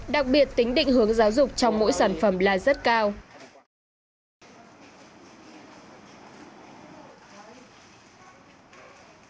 đặc biệt tính định hướng giáo dục trong mỗi sản phẩm là rất cao